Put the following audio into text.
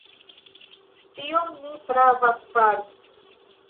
Tion ni provas fari.